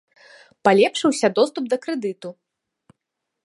Палепшыўся доступ да крэдыту.